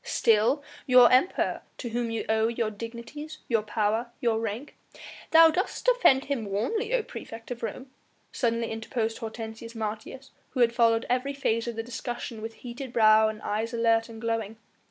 "Still your Emperor to whom you owe your dignities, your power, your rank " "Thou dost defend him warmly, O praefect of Rome," suddenly interposed Hortensius Martius who had followed every phase of the discussion with heated brow and eyes alert and glowing.